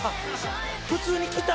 普通に来た。